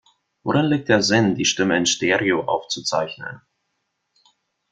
Worin liegt der Sinn, die Stimme in Stereo aufzuzeichnen?